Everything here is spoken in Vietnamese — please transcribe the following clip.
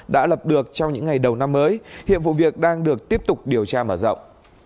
đã lập được trong những ngày đầu năm mới hiện vụ việc đang được tiếp tục điều tra mở rộng